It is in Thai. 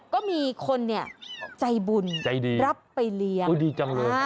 ก็มีคนใจบุญรับไปเลี้ยง